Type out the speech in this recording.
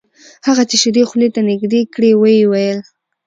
هغه چې شیدې خولې ته نږدې کړې ویې ویل: